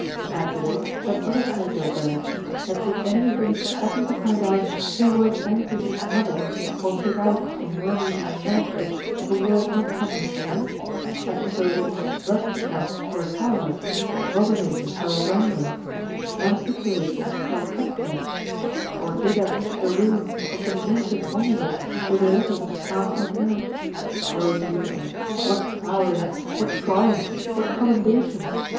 Add to this that other pleasure of theirs, that if any of them happen to find out who was Anchises' mother, or pick out of some worm eaten manuscript a word not commonly known as suppose it bubsequa for a cowherd, bovinator for a wrangler, manticulator for a cutpurse or dig up the ruins of some ancient monument with the letters half eaten out; O Jupiter! what towerings! what triumphs! what commendations!